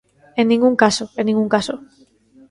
En ningún caso, en ningún caso.